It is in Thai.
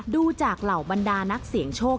ดูจากเหล่าบรรดานักเสี่ยงโชค